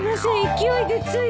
勢いでつい。